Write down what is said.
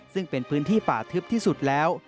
ซึ่งเป็นพื้นที่ป่าทึบที่สุดแล้ว